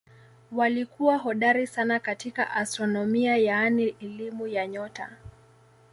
Walikuwa hodari sana katika astronomia yaani elimu ya nyota.